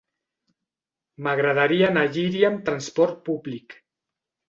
M'agradaria anar a Llíria amb transport públic.